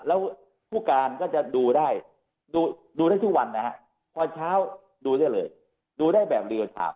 แล้วผู้การก็จะดูได้ดูได้ทุกวันนะฮะพอเช้าดูได้เลยดูได้แบบเรียลเช้า